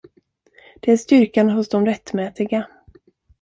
Det är styrkan hos de rättmätiga.